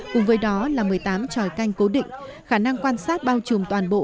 cùng với đó là một mươi tám tròi canh cố định khả năng quan sát bao trùm toàn bộ